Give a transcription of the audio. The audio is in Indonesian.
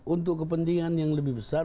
untuk kepentingan yang lebih besar